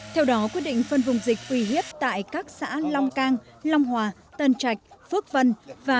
theo đó quyết định phân vùng dịch uy hiếp tại các xã long cang long hòa tân trạch phước vân